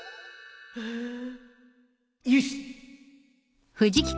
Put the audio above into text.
よし！